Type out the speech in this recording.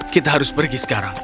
kita harus pergi sekarang